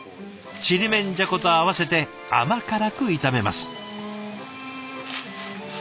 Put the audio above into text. ちりめんじゃこと合わせて甘辛く炒めます。